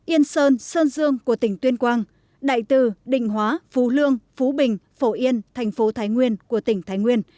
yên sơn sơn dương của tỉnh tuyên quang đại từ định hóa phú lương phú bình phổ yên thành phố thái nguyên của tỉnh thái nguyên